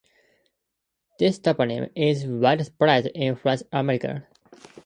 This toponym is widespread in French America.